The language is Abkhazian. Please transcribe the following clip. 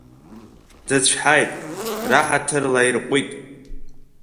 Дыцәҳаит, раҳаҭыр лаирҟәит…